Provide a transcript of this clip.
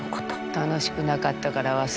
楽しくなかったから忘れたのね。